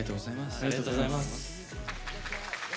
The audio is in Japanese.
ありがとうございます。